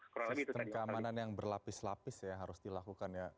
setengah keamanan yang berlapis lapis ya harus dilakukan ya